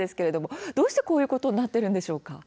どうしてこういうことになっているんでしょうか。